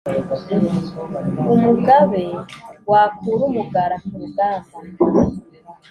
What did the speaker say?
umugabe wakura mugara ku rugamba,